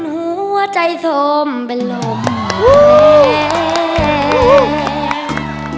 คุณหัวใจโทรมเป็นโลกแดง